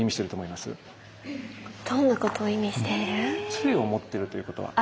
杖を持っているということは？